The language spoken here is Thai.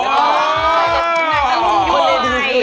นางตะลุงยุบใหม่